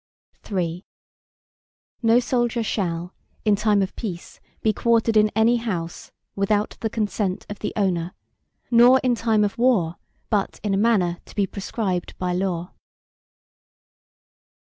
III No soldier shall, in time of peace be quartered in any house, without the consent of the owner, nor in time of war, but in a manner to be prescribed by law.